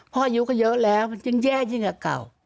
พ่ออยู่ก็เยอะแล้วยังแย่จริงกับเก่า